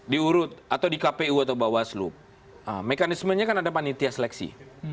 diurut atau di kpu atau bawaslu mekanismenya kan ada panitia seleksi